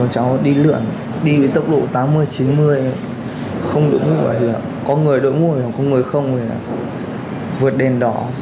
cháu đi lượn đi với tốc độ tám mươi chín mươi không đổi mũi bảo hiểm có người đổi mũi không người không thì vượt đèn đỏ